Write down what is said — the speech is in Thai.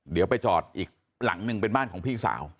เดี๋ยวไปจอดอีกหลังหนึ่งเป็นบ้านของพี่สาว